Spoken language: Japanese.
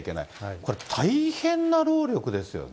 これ、大変な労力ですよね。